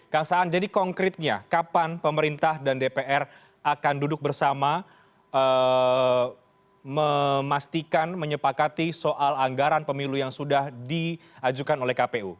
kang saan jadi konkretnya kapan pemerintah dan dpr akan duduk bersama memastikan menyepakati soal anggaran pemilu yang sudah diajukan oleh kpu